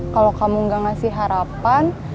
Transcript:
kalau kamu gak ngasih harapan